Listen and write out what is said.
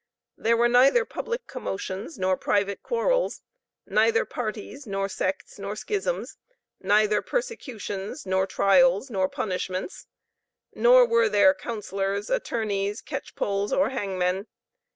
There were neither public commotions, nor private quarrels; neither parties, nor sects, nor schisms; neither persecutions, nor trials, nor punishments; nor were there counsellors, attorneys, catchpolls, or hangmen.